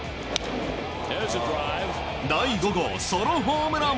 第５号ソロホームラン。